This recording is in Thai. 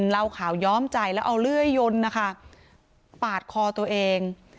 เล่าข่าวย้อมใจแล้วเอาเลื่อยยนนะคะปาดคอตัวเอง